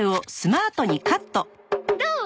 どう？